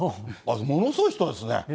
ものすごい人ですね。